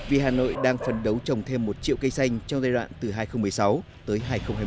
vì hà nội đang phấn đấu trồng thêm một triệu cây xanh cho giai đoạn từ hai nghìn một mươi sáu tới hai nghìn hai mươi